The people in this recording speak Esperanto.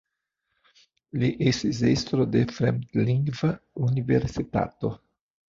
Li estis estro de Fremdlingva Universitato.